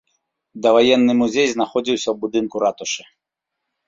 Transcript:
Даваенны музей знаходзіўся ў будынку ратушы.